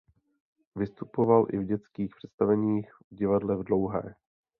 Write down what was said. Vystupoval i v dětských představeních v Divadle v Dlouhé.